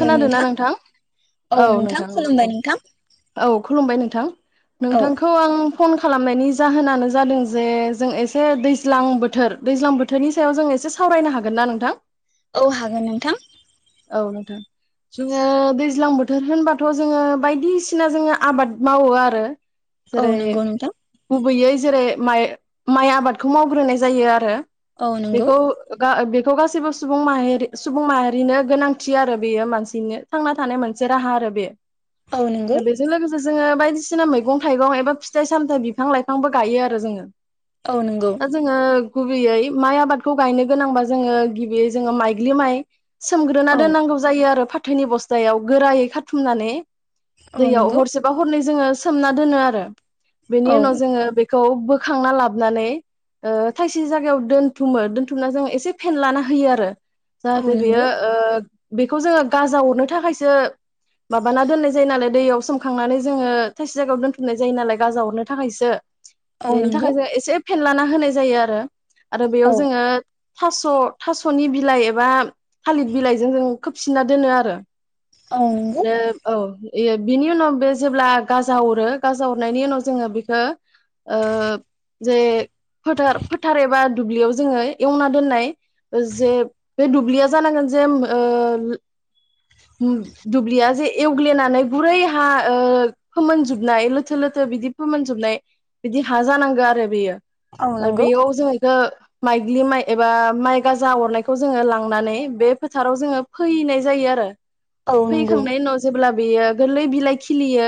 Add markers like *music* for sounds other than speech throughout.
खोनादों ना नोंथां? औ नोंथां औ औ। औ खुलुमबाय नोंथां औ नोंथांखौ आं फन खालामनायनि जाहोनानो जादों जे जों एसे दैज्लां, बोथोर दैज्लां बोथोरनि सायाव जों एसे सावरायनो हागोन ना नोंथां? औ हागोन नोंथां। औ नोंथां। जोङो दैज्लां बो थोर होनबाथ' जोङो बायदिसिना जोङो आबाद मावो आरो। औ जेरै नंगौ नोंथां गुबैयै जेरै माइ माइ आबादखौ मावग्रोनाय जायो आरो। औ नंगौ बेखौ गा- बे थ गासैबो सुबुं माहारि सुबुं माहारिनो गोनांथि आरो बेयो मानसिनो थांना थानाय मोनसे राहा आरो बे। औ नंगौ *inaudible* बेजों लोगोसे जोङो बायदि सिना मैगं थाइगं एबा फिथाइ सामथाइ बिफां लाइफांबो गायो आरो जोङो। औ नंगौ दा जोङो गु गिबियै माइ आबादखौ गायनो गोनांबा जोङो गिबियै जोङो माइग्लि माइ सोमग्रोना औ दोननांगौ जायो आरो फा थोनि बस्थायाव गोरायै खाारथुमनानै। औ दैयाव नंगौ हरसेबा हरनै जोङो सोमना दोनो आरो। बेनि औ उनाव जोङो बेखौ बो बोखांना लाबानै थाइसे जायगायाव दोनथुमो दोनथुमना जों एसे फेन लाना होयो आरो। औ जाहाथे नंगौ बियो बेखौ जोङो गाजा हरनो थाखायसो माबाना दोननाय जायो नालाय दैयाव सोमखांनानै जोङो थाइसे जायगायाव दोनथुमनाय जायो नालाय गाजा हरनो थाखायसो औ बेनि नंगौ थाखाय एसे फेनलाना होनाय जायो आरो। आरो बेयाव औ जोङो थास' थास'नि बिलाइ एबा थालिर बिलाइजों जों खोबसिनना दोनो आरो औ नंगौ द औ बिनि उनाव बे जेब्ला गाजा अरो गाजा अरनायनि उनाव जोङो बेखौ ओ जे फोथार फोथार एबा दुब्लियाव जोङो एवना दोननाय जे बे दुब्लिया जानांगोन जे ओ दुब्लिया जे एवग्लिनानै गुरै हा ओ फोमोनजोबनाय लोथो लोथो बिदि फोमोनजोबनाय बिदि हा जानांगौ आरो बेयो। औ आरो नंगौ बेयाव जों दा माइग्लि माइ एबा माइ गाजा अरनायखौ जोङो लांनानै बे फोथाराव जोङो फैनाय जायो आरो। औ नंगौ फैखांनायनि उनाव जेब्ला बेयो गोरलै बिलाइ खिलियो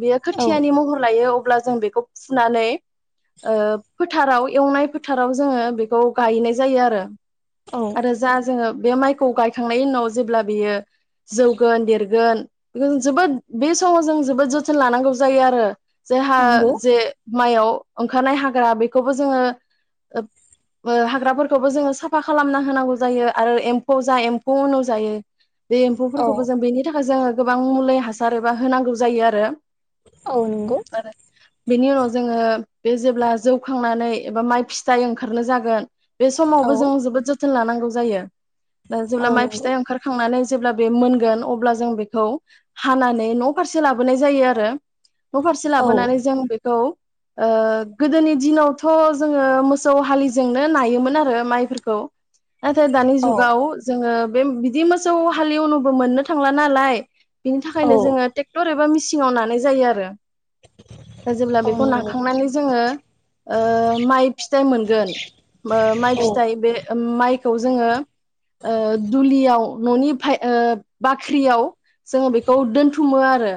बेयो औ नंगौ खोथियानि औ महर लायो अब्ला जों बेखौ फुनानै ओ फो फोथाराव एवनाय फोथाराव जोङो बेखौ गायनाय जायो आरो। औ नंगौ आरो जा जोङो बे माइखौ गायखांनायनि उनाव जेब्ला बेयो जौगोन देरगोन बेखौ जों जोबोद बे समाव जों जोबोद जोथोन लानांगौ जायो आरो। जायहा जे माइयाव ओंखारनाय हाग्रा बेखौबो जोङो ओ बो हाग्राफोरखौबो जोङो साफा खालामना होनांगौ जायो आरो एम्फौ जा एम्फौ उनाव जायो। बे औ एम्फौफोरखौबो जों बेनि थाखाय जोङो गोबां मुलि हासार एबा होनांगौ जायो आरो औ नंगौ औ आरो बेनि उनाव जोङो बे जेब्ला जौखांनानै एबा माइ फिथाइ ओंखारनो जागोन। बे समावबो जों जोबोद लानांगौ जायो। दा औ जेब्ला माइ नंगौ फिथाइ ओंखारखांनानै जेब्ला बे मोनगोन अब्ला जों बेखौ हानानै न फारसे लाबोनाय जायो आरो नफारसे औ लाबोनानै जों बेखौ ओ गोदोनि दिनावथ जोङो मोसौ हालिजोंनो नायोमोन आरो माइफोरखौ नाथाय दानि जुगाव जोङो बे बिदि मोसौ हालेवनोबो मोननो थांला नालाय बिनि थाखायनो औ नंगौ औ जोङो टेक्टर एबा मिसि ङाव नानाय जायो आरो ओ जेब्ला औ बेखौ नंगौ नाखांनानै जोङो ओ माइ फिथाइ मोनगोन ओ माइ फिथाइ बे माइखौ जोङो ओ दुलियाव ननि फाय ओ बाख्रियाव जों बेखौ दोनथुमो आरो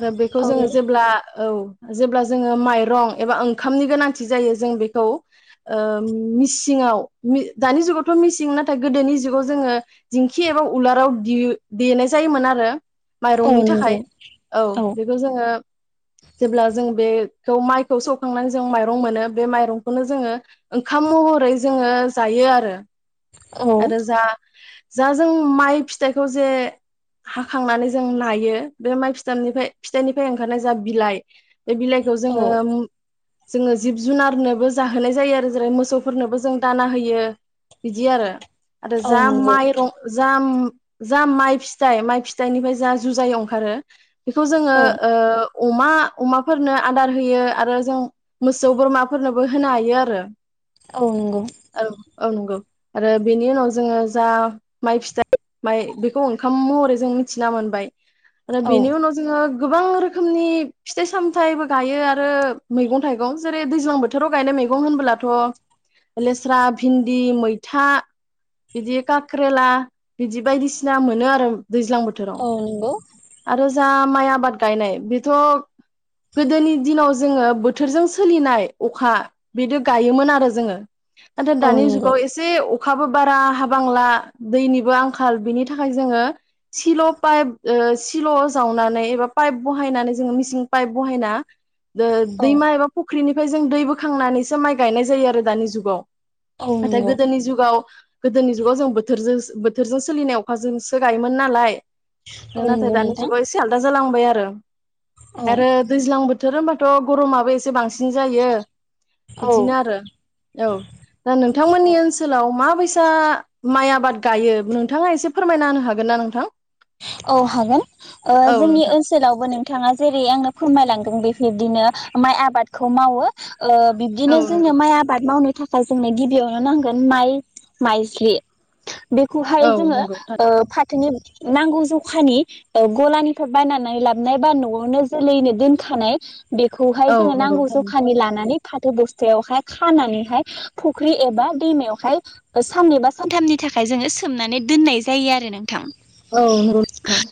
आरो बेखौ औ जोङो जेब्ला औ जेब्ला जोङो माइरं एबा ओंखामनि गोनांथि जायो जों बेखौ ओ मिसिङाव दानि जुगावथ मिसिं नाथाय गोदोनि जुगाव जोङो दिंखि एबा उलाराव दे-देनाय जायोमोन आरो औ माइरंनि थाखाय नंगौ औ बेखौ जोङो जेब्ला जों बे माइखौ सौखांनानै जों माइरं मोनो बे माइरंखौनो जोङो ओंखाम महरै जोङो जायो आरो आरो जा जा जों माइ फिथाइखौ जे हाखांनानै जों नायो बे माइ फि जाननिफ्राय फिथाइनिफ्राय ओंखारनाय जा बिलाइ बे बिलाइखौ जोङो जोङो जिब जुनारनोबो जाहोनाय जायो आरो जेरै मोसौफोरनोबो जों दाना होयो बिदि आरो आरो जा औ नंगौ माइरं जाम जा माइ फिथाइ माइ फिथाइनिफ्राय जा जुजाय ओंखारो बेखौ जोङो ओ अमा अमाफोरनो आदार होयो आरो जों मोसौ बोरमाफोरनोबो होनो हायो आरो औ औ नंगौ आरो बेनि उनाव जोङो जा माइ फिथाइ माइ बेखौ ओंखाम महरै जों मिथिना मोनबाय आरो बिनि उनाव गोबां रोखोमनि फिथाइ सामथाइबो गायो आरो मैगं थाइगं जेरै दैज्लां बोथोराव गायनाय मैगं होनबोलाथ लेस्रा भिन्दि मैथा बिदि खाक्रेला बिदि बायदिसिना मोनो आरो दैज्लां बोथोराव आरो जा माइ आबाद गायनाय बेथ गोदोनि दिनाव जोङो बोथोरजों सोलिनाय अखा बिदि गायोमोन आरो जोङो नाथाय औ दानि नंगौ जुगाव एसे अखाबो बारा हाबांला दैनिबो आंखाल बिनि थाखाय जोङो सिल' पाइप ओ सिल' जावनानै एबा पाइप बहायनानै जोङो मिसिं पाइप बहायना दो औ दैमा एबा फुख्रिनि ओमफ्राय जों दै बोखांनानैसो माइ गायनाय जायो आरो दानि जुगाव। औ नाथाय नंगौ गोदोनि जुगाव गोदोनि जुगाव जों बोथोरजोंस बोथोरजों सोलिनाय अखाजोंसो गायोमोन नालाय औ नाथाय नंगौ दानि नोंथां जुगाव एसे आलदा जालांबाय आ ओ आरो औ दैज्लां बोथ थोर होनबाथ' गरमाबो एसे बांस *unintelligible* जायो इदिनो आरो औ दा नोंथांमोननि औ ओनसोलाव मा बायस सा माइ आबाद गायो नोंथाङा एसे फोरमायना होनो हागोन ना नोंथां? औ हागोन। ओ औ जोंनि नोंथां ओनसोलावबो नों थाङा जेरै आंनो फोरमायलांदों बेफोरदिनो माइ आबादखौ मावो। ओ बिब्दिनो औ जोङो नंगौ माइ आबाद मावनो थाख दा *unintelligible* गिबियावनो नांगोन माइ माइज्लि बेखौहाय औ जोङो नंगौ ओ फा *unintelligible* नांगौ जखानि ओ गलानिफ्राय बायनानै लाबनाय बा न'आवनो जोलैनो दोनखानाय बेखौहाय औ जोङो नंगौ नांगौ थारैनो जखानि लानानै फाथो बस्थायावहाय खानानैहाय फुख्रि एबा दैमायावहाय साननैबा सानथामनि थाखाय जोङो सोमनानै दोननाय जायो आरो नोंथां। औ *unintelligible* *unintelligible* थां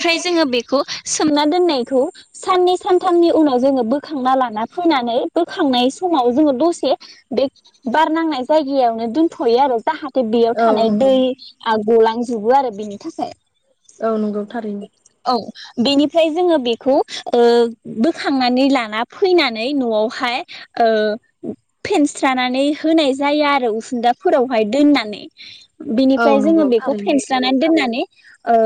ओमफ्राय जोङो बेखौ सोमना दोननायखौ साननै सानथामनि उनाव जोङो बोखांना लाना फैनानै बोखांनाय समाव जोङो दसे बे बार नांनाय जायगायावनो दोनथ'यो आरो जाहाथे बेयाव औ थानाय दै नंगौ आ गलांजोबो आरो बेनि थाखाय औ नंगौ थारैनो। औ बेनिफ्राय जोङो बेखौ ओ बोखांनानै लाना फैनानै न'आवहाय ओ फेनस्रानानै होनाय जायो आरो उखुन्दाफोरावहाय दोननानै। औ बिनिफ्राय जोङो नंगौ बेखौ थारैनो फेनस्रनानै दोननानै ओ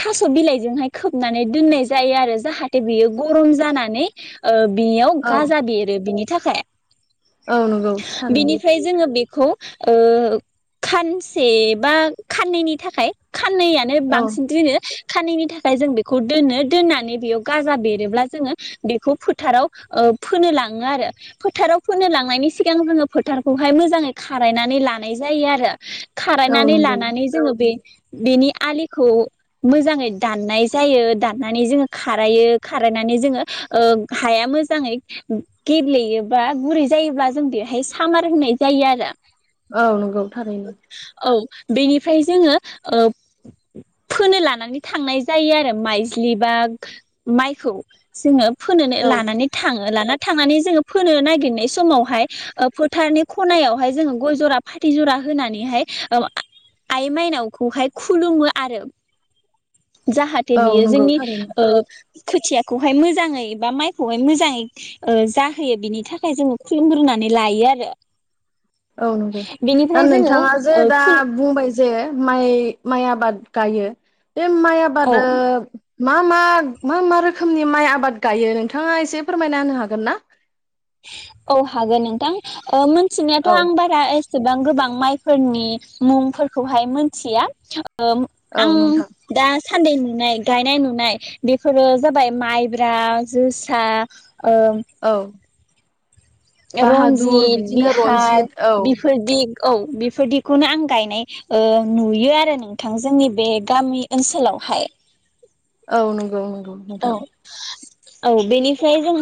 थास' बिलाइजोंहाय खोबनानै दोननाय जायो आरो जाहाथे बियो गरम जानानै ओ बेयाव औ गाजा बेरो बिनि थाखाय औ नंगौ थारैनो बिनिफ्राय जोङो बि खौ ओ खानसे बा खाननैनि थाखाय खाननैया नो औ बांसिन दिनो खाननैनि थाखाय जों बेखौ दोनो दोननानै बेयाव गाजा बेरोब्ला जोङो बेखौ फोथाराव ओ फोनो लाङो आरो फोथाराव फोनो लांनायनि सिगां जोङो फोथारखौहाय मोजाङै खारायनानै लानाय जायो आरो। औ खारायनानै नंगौ लानानै जोङो बे बेनि आलिखौ मोजाङै दाननाय जायो दाननानै जोङो खारायो खारायनानै जोङो ओ हाया मोजाङै गेब्लेयोबा गुरै जायोब्ला जों बेहाय सामार होनाय जायो आरो। औ नोंगौ थारैनो। औ बेनिफ्राय जोङो ओ फोनो लानानै थांनाय जायो आरो माइज्लि बा माइखौ जोङो। फोनोनो औ लानानै थाङो लाना थांनानै जोङो फोनो नागिरनाय समावहाय ओ फोथारनि खनायावहाय जोङो गय जरा फाथै जरा होनानैहाय ओ आइ माइनावखौहाय खु खुलुमो आरो। जाहाथे औ बियो नंगौ जोंनि थारैनो ओ खोथियाखौहाय मोजाङै बा माइखौहाय मोजाङै ओ जाहोयो बिनि थाखाय जोङो खुलुमग्रोनानै लायो आरो। औ नंगौ दा बेनिफ्राय जोङो नोंथाङा जे ओ दा खुल बुंबाय जे माइ माइ आबाद गायो। बे माइ औ आबाद ओ मा मा मा मा रोखोमनि माइ आबाद गायो नोंथाङा एसे फोरमायना होनो हागोन ना? औ हागोन नोंथां ओ औ मिथिनायखथ' आं बारा एस एसेबां गोबां माइफोरनि मुंफोरखौहाय मोनथिया। ओ औ आं नोंथां दा सान्दै नुनाय गायनाय नुनाय बेफोरो जाबाय माइब्रा जोसा। ओम। औ बाहादुर रन्जित बिदिनो बिहार रन्जित औ बेफोरदि औ बेफोरदिखौनो आं गायनाय ओ नुयो आरो नोंथां जोंनि बे गामि ओनसोलावहाय। औ नंगौ। औ। नोंथां औ बेनिफ्राय जों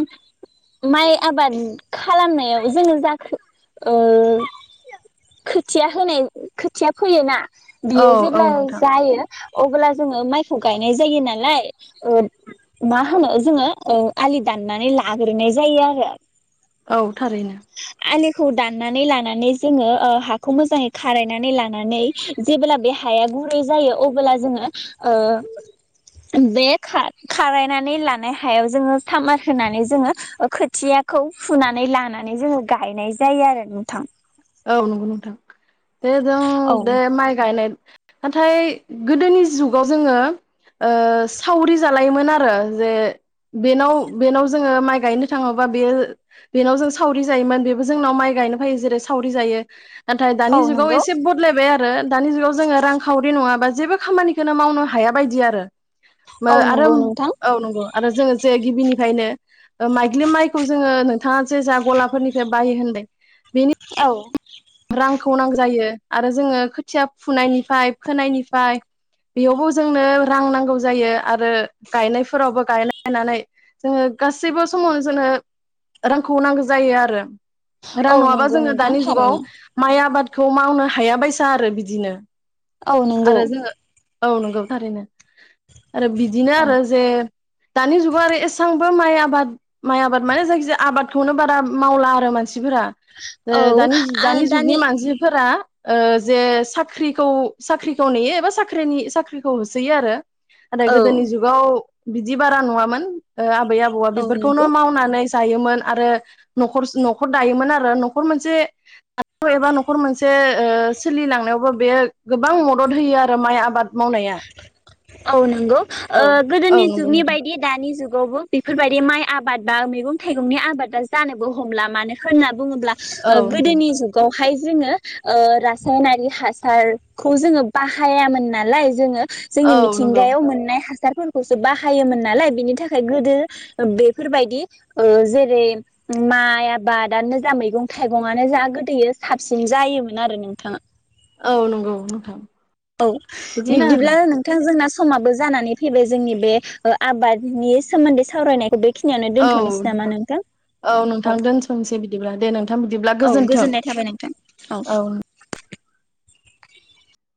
माइ आबाद खालामनायाव जोङो जाखो ओ खोथिया होनाय खोथिया फैयोना। औ बियो औ जेब्ला नोंथां जायो। अब्ला जोङो माइखौ गायनाय जायो नालाय ओ मा होनो जोङो ओ आलि दाननानै लाग्रोनाय जायो आरो। औ थारैनो। आलिखौ दाननानै लानानै जोङो ओ हाखौ मोजाङै खारायनानै लानानै जेब्ला बे हाया गुरै जायो अबोब्ला जोङो ओ बे खा खारायनानै लानाय हायाव जोङो सामार होनानै जोङो ओ खोथियाखौ फुनानै लानानै जोङो गायनाय जायो आरो नोंथां। औ नंगौ नोंथां। दे जों औ दे माइ गायनाय नाथाय गोदोनि जुगाव जोङो ओ सावरि जालायोमोन आरो जे बेनाव बेनाव जोङो माइ गायनो थाङोबा बे-बेनाव जों सावरि जायोमोन बेबो जोंनाव माइ गायनो फायो जेरै सावरि जायो। नाथाय औ दानि जुगाव नंगौ एसे बदलायबाय आ रो दानि जुगाव जोङो रांखावरि नङाबा जेबो खामानिखौनो मावनो हाया बायदि आरो मो औ नंगौ आरोम नोंथां औ नंगौ। आरो जोङो जे गिबिनिफायनो माइग्लिमाइखौ जोङो नोंथाङा जे जा गलाफोरनिफे बाहायो होनदों बेनि औ आंखौ नांगौ जायो आरो जोङो खो थिया फुनायनिफाय फोनायनि फाय बेयावबो जोंनो रां नांगौ जायो आरो गायनायफोरावबो गायनानै जोङो गासैबो समावनो जोंनो रांखौ नांगौ जायो आरो रां औ नङाबा नंगौ जोङो नोंथां दानि जुगाव थारैनो माइ आबादखौ मावनो हायाबायसा आरो बिदिनो औ नंगौ। आरो जोङो औ नंगौ थारैनो आरो बिदिनो औ आरो जे दानि जुगाव आरो एसां बो माइ आबाद माइ आबाद माने जायखिजाया आबादखौनो बारा मावला आरो मान सिफोरा ओ औ दानि दानि जुगनि मानसिफोरा ओ जे साख्रिखौ साख्रिखौ नेयो एबा साख्रिनि साख्रिखौ होसोयो आरो आदै औ गोदोनि जुगाव बिदि बारा नुवामोन ओ आबै आबौआ औ नंगौ बेफोरखौनो मावनानै जायोमोन आरो न'ख न'खर दायोमोन आरो न'खर मोनसे *unintelligible* एबा न'खर मोनसे ओ सोलिलांनायावबो बे गोबां मदद होयो आरो माइ आबाद मावनाया। औ नंगौ ओ औ औ गोदोनि नंगौ जुगनि नोंथां बायदि दानि जुग गावबो बेफोरबायदि माइ आबाद बा मैगं-थाइगंनि आबादा जानोबो हमला मानो होनो बुङोब्ला ओ औ नंगौ गोदोनि जुगाव हाय जोङो ओ रासायनारि हासारखौ जोङो बाहायामोन नालाय जोङो औ जोंनि मि नंगौ थिंगायाव मोननाय हा सारफोरखौसो बाहायोमोन नालाय बिनि थाखाय गोदो बेफोरबायदि ओ जेरै माइ आबादानो जा मैगं थाइगङानो जा गोदोयो साबसिन जायोमोन आरो नोंथाङा औ नंगौ नोंथां औ बिदिनो आरो बिब्दिब्ला नोंथां जोंना समाबो जानानै फैबाय जोंनि बे ओ आबादनि सोमोन्दै सावरायनायखौ बे औ नोंथां औ नोंथां दोन्थ'नोसै बिदिब्ला दे नोंथां बिदिब्ला औ गोजोन्थों गोजोननाय थाबाय नोंथां औ